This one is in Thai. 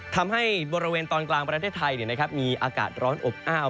ทำให้บริเวณตอนกลางประเทศไทยมีอากาศร้อนอบอ้าว